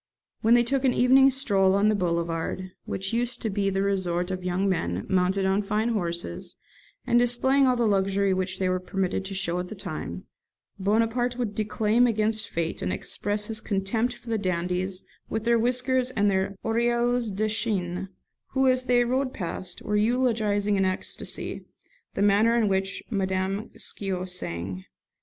When they took an evening stroll on the Boulevard, which used to be the resort of young men, mounted on fine horses, and displaying all the luxury which they were permitted to show at that time, Bonaparte would declaim against fate, and express his contempt for the dandies with their whiskers and their 'orielles de chiene', who, as they rode past, were eulogising in ecstasy the manner in which Madame Scio sang.